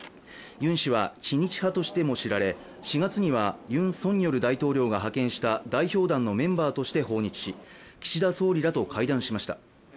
ユン氏は知日派としても知られ、４月にはユン・ソンニョル大統領が派遣した代表団のメンバーとして訪日し、岸田総理らと会談しました。